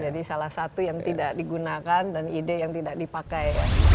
jadi salah satu yang tidak digunakan dan ide yang tidak dipakai